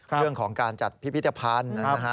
เรื่องของการจัดพิพิธภัณฑ์นะฮะ